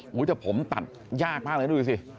โอ้โหแต่ผมตัดยากมากเลยดูสิ